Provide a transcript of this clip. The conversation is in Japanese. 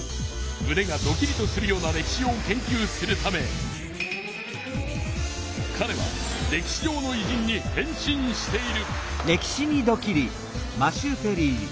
むねがドキリとするような歴史を研究するためかれは歴史上のいじんに変身している。